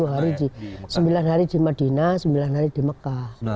sepuluh hari sembilan hari di madinah sembilan hari di mekah